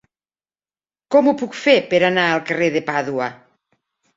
Com ho puc fer per anar al carrer de Pàdua?